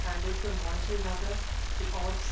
handed from one to another ; the odds